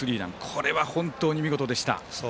これは本当に見事でした。